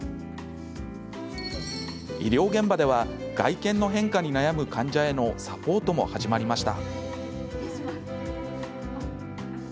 医療現場では、外見の変化に悩む患者へのサポートも始まりました。